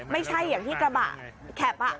ไม่ใช่อย่างที่กระบะแข็บ